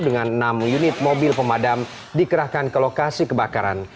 dengan enam unit mobil pemadam dikerahkan ke lokasi kebakaran